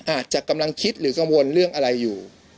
อาจจะกำลังคิดหรือกังวลเรื่องอะไรอยู่